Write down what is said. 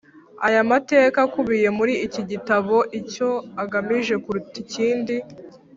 Aya mateka akubiye muri iki gitabo, icyo agamije kuruta ikindi